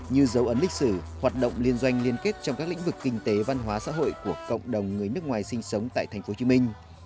như dấu ấn lịch sử hoạt động liên doanh liên kết trong các lĩnh vực kinh tế văn hóa xã hội của cộng đồng người nước ngoài sinh sống tại thành phố hồ chí minh